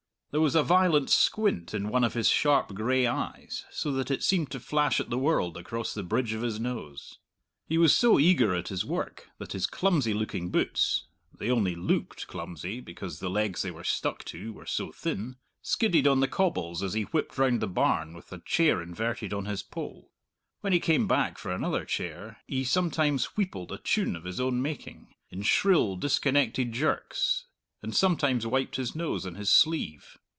There was a violent squint in one of his sharp gray eyes, so that it seemed to flash at the world across the bridge of his nose. He was so eager at his work that his clumsy looking boots they only looked clumsy because the legs they were stuck to were so thin skidded on the cobbles as he whipped round the barn with a chair inverted on his poll. When he came back for another chair, he sometimes wheepled a tune of his own making, in shrill, disconnected jerks, and sometimes wiped his nose on his sleeve.